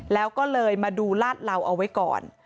แล้วก็เลยมาดูลาดเหลาเอาไว้ก่อน